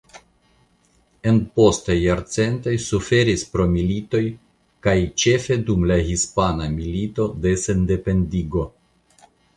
En postaj jarcentoj suferis pro militojkaj ĉefe dum la Hispana Milito de Sendependigo.